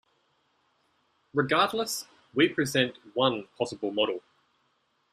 Regardless, we present one possible model.